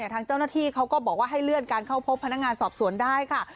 ทางเจ้าหน้าที่เขาก็บอกว่าให้เลื่อนการเข้าพบพนักงานสอบสวนได้ค่ะ